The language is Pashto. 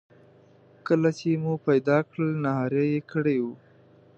کله چې مو پیدا کړل نهاري یې کړې وه.